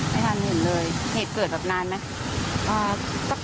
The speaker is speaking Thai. ไม่ทันเห็นเลยเหตุเกิดแบบนานไหม